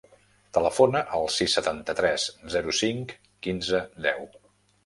Telefona al sis, setanta-tres, zero, cinc, quinze, deu.